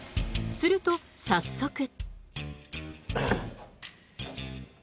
すると早速。